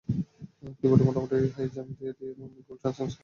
কিবোর্ডে মোটামুটি একটা হাই জাম্প দিয়ে আমি গুগল ট্রান্সলেটরে চলে গেলাম।